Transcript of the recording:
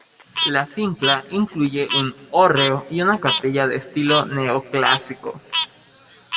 La finca incluye un hórreo y una capilla de estilo neoclásico.